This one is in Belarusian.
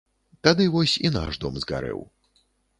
Тады вось і наш дом згарэў.